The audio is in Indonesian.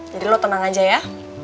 jadi lo tenang aja ya